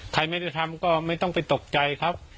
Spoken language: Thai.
ใครไม่ได้ทำก็ไม่ต้องไปตกใจครับ